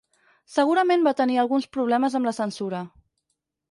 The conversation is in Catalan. Segurament va tenir alguns problemes amb la censura.